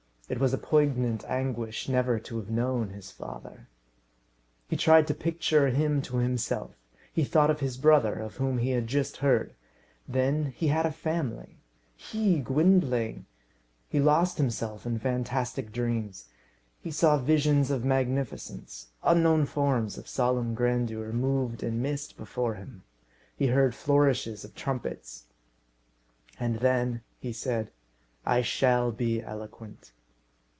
It was a poignant anguish never to have known his father. He tried to picture him to himself. He thought of his brother, of whom he had just heard. Then he had a family! He, Gwynplaine! He lost himself in fantastic dreams. He saw visions of magnificence; unknown forms of solemn grandeur moved in mist before him. He heard flourishes of trumpets. "And then," he said, "I shall be eloquent."